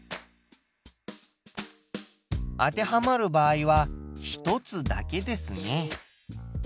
当てはまる場合は１つだけですね。